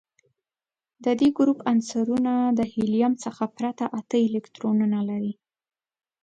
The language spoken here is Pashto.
د دې ګروپ عنصرونه د هیلیم څخه پرته اته الکترونونه لري.